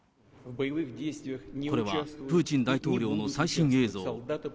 これはプーチン大統領の最新映像。